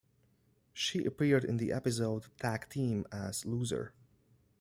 She appeared in the episode "Tag Team" as "Loser.